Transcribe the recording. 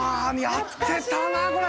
やってたなこれ。